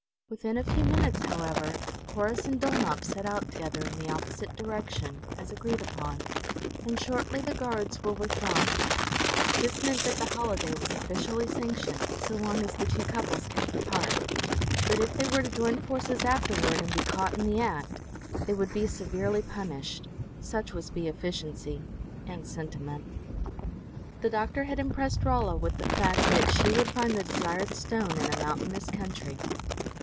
Within a few minutes however, Corrus and Dulnop set out together in the opposite direction, as agreed upon; and shortly the guards were withdrawn. This meant that the holiday was officially sanctioned, so long as the two couples kept apart; but if they were to join forces afterward, and be caught in the act, they would be severely punished. Such was bee efficiency and sentiment. The doctor had impressed Rolla with the fact that she would find the desired stone in a mountainous country.